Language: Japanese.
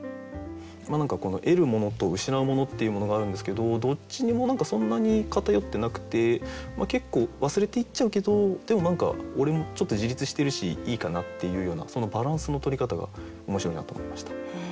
何かこの得るものと失うものっていうものがあるんですけどどっちにも何かそんなに偏ってなくて結構忘れていっちゃうけどでも何か俺もちょっと自立してるしいいかなっていうようなそのバランスのとり方が面白いなと思いました。